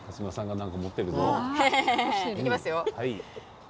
いきますよ。